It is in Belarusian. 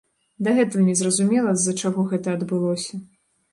Дагэтуль незразумела, з-за чаго гэта адбылося.